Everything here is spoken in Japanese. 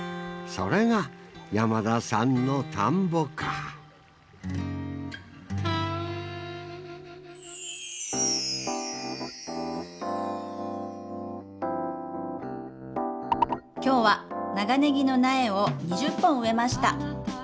それが山田さんの田んぼか「きょうは長ネギの苗を２０本植えました！